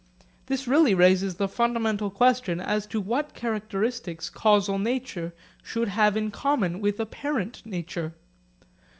This really raises the fundamental question as to what characteristics causal nature should have in common with apparent nature.